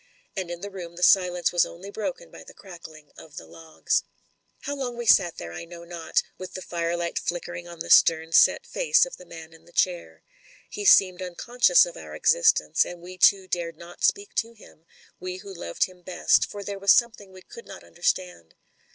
And in the room the silence was only broken by the crackling of the logs. How long we sat there I know not, with the fire light flickering on the stem set face of the man in the chair. He seemed unconscious of our existence, and we two dared not speak to him, we who loved him best, for there was something we could not under stand.